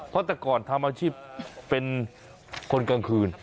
เพราะแต่ก่อนทำอาชีพเป็นคนกลางคืน